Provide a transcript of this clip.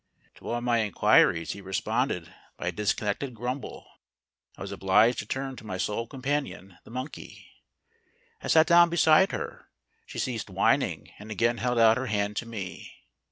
To all my inquiries he responded by a dis connected grumble. I was obliged to turn to my sole companion, the monkey. I sat down beside her ; she ceased whining, and again held out her hand to me.